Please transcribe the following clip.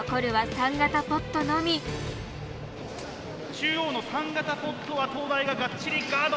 中央の３型ポットは東大ががっちりガード。